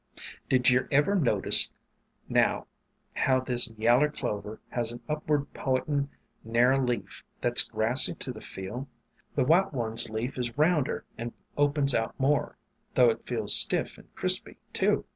"Did yer ever notice now how this Yaller Clover has an upward pointin' narrer leaf that 's grassy to the feel? The White one's leaf is rounder and opens out more, though it feels stiff and crispy, too.